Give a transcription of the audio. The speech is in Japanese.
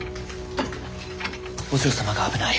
和尚様が危ない。